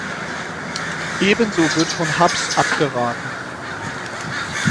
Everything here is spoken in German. Ebenso wird von Hubs abgeraten.